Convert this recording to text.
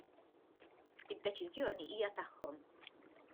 Id-deċiżjoni hija tagħhom.